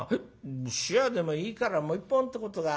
冷やでもいいからもう一本ってことがあるんだ。